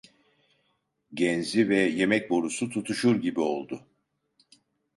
Genzi ve yemek borusu tutuşur gibi oldu.